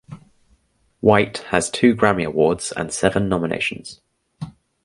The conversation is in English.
White has two Grammy Awards and seven nominations.